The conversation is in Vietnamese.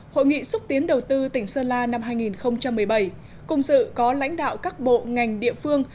hội nghị xúc tiến đầu tư tỉnh sơn la năm hai nghìn một mươi bảy cùng dự có lãnh đạo các bộ ngành địa phương